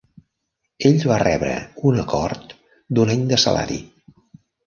Ell va rebre un acord d'un any de salari.